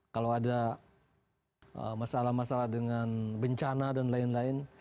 kalau ada masalah masalah dengan bencana dan lain lain